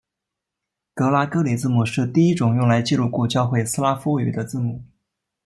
格拉哥里字母是第一种用来记录古教会斯拉夫语的字母。